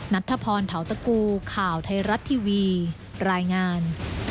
นัทธพรเทาตะกูข่าวไทยรัฐทีวีรายงาน